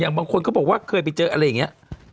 บางคนก็บอกว่าเคยไปเจออะไรอย่างนี้